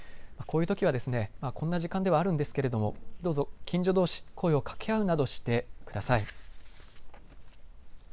こういうときはこんな時間ではあるんですけれども、どうぞ、近所どうし、声を掛け合うなどしてください。